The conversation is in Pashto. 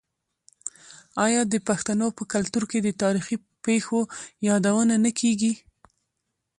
آیا د پښتنو په کلتور کې د تاریخي پیښو یادونه نه کیږي؟